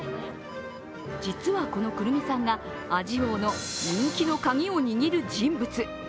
実は、このくるみさんが味王の人気のカギを握る人物。